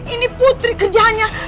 ini putri kerjaannya